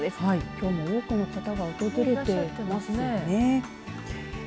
きょうも多くの方が訪れていますね。